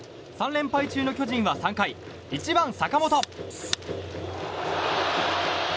３連敗中の巨人は３回１番、坂本。